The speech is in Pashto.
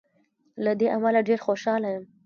له دې امله ډېر خوشاله یم.